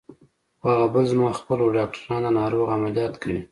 خو هغه بل زما خپل و، ډاکټران د ناروغ عملیات کوي.